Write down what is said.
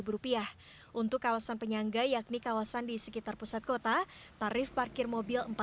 tiga ribu rupiah untuk kawasan penyangga yakni kawasan di sekitar pusat kota tarif parkir mobil empat ribu